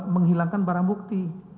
menghilangkan barang bukti